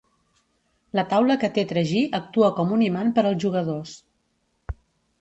La taula que té tragí actua com un imant per als jugadors.